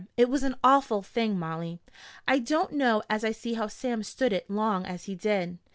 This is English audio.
It was an awful thing, Molly. I don't know as I see how Sam stood it long as he did."